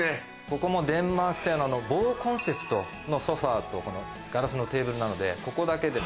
ここもデンマーク製のボーコンセプトのソファとガラスのテーブルなのでここだけで。